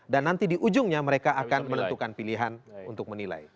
dan nanti di ujungnya mereka akan menentukan pilihan untuk menilai